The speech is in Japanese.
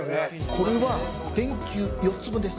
これは電球４つ分です。